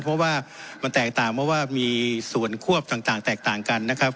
เพราะว่ามันแตกต่างเพราะว่ามีส่วนควบต่างแตกต่างกันนะครับ